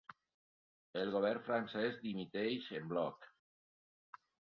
El govern francès dimiteix en bloc.